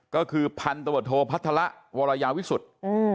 ก็คือพันธุ์โทษศิลป์พัฒนละวรยาวิสุทธิ์